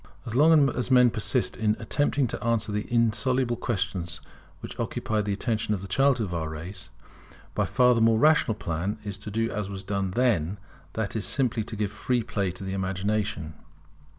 As long as men persist in attempting to answer the insoluble questions which occupied the attention of the childhood of our race, by far the more rational plan is to do as was done then, that is, simply to give free play to the imagination.